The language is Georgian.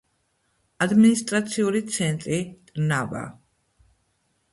ადმინისტრაციული ცენტრი ტრნავა.